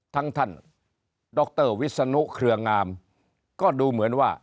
ท่านดรวิศนุเครืองามก็ดูเหมือนว่า